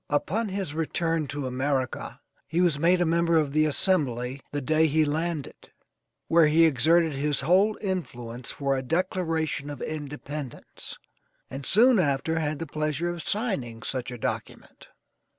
Upon his return to America he was made a member of the Assembly the day he landed, where he exerted his whole influence for a Declaration of Independence, and soon after had the pleasure of signing such a document.